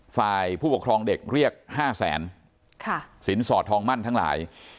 ฝ่ายผู้ปกครองเด็กเรียกห้าแสนค่ะสินสอดทองมั่นทั้งหลาย